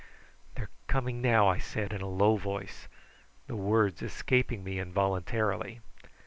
"They're coming now," I said in a low voice, the words escaping me involuntarily.